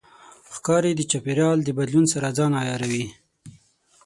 ښکاري د چاپېریال د بدلون سره ځان عیاروي.